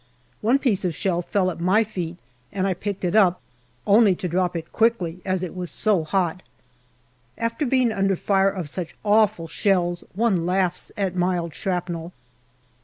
One piece of shell fell at my feet, and I picked it up, only to drop it quickly, as it was so hot. After being under fire of such awful shells one laughs at mild shrapnel.